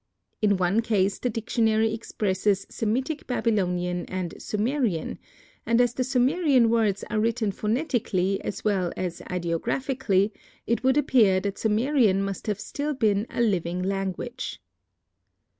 "In one case the dictionary expresses Semitic Babylonian and Sumerian, and as the Sumerian words are written phonetically as well as ideographically, it would appear that Sumerian must have been still a living language."